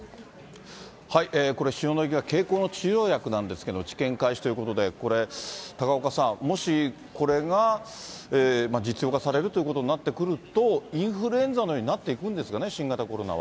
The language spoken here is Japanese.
これ、塩野義が経口の治療薬なんですけれども、治験開始ということで、これ、高岡さん、もしこれが実用化されるということになってくると、インフルエンザのようになっていくんですかね、新型コロナは。